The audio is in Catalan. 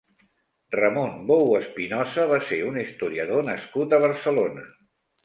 Ramon Bou Espinosa va ser un historiador nascut a Barcelona.